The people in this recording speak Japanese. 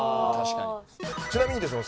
ちなみにですね